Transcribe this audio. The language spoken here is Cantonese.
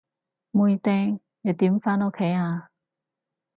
妹釘，你點返屋企啊？